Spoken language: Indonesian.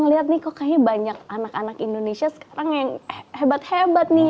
ngelihat nih kok kayaknya banyak anak anak indonesia sekarang yang hebat hebat nih